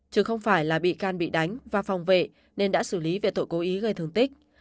chứ không phải là bị can bị đánh và phòng vệ nên đã xử lý về tội cố ý gây thương tích